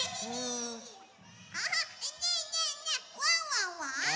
あっねえねえねえワンワンは？